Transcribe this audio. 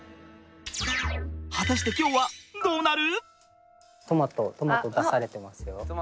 果たして今日はどうなる？